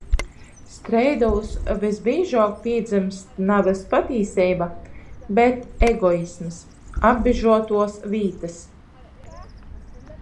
Streidūs vysbīžuok pīdzymst navys patīseiba, bet egoisms. Apbižuotuos vītys.